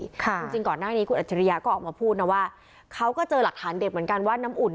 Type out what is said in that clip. จริงก่อนหน้านี้คุณอัจฉริยะก็ออกมาพูดนะว่าเขาก็เจอหลักฐานเด็ดเหมือนกันว่าน้ำอุ่น